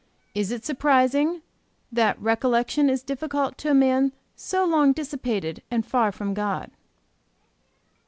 Is it surprising that recollection is difficult to a man so long dissipated and far from God?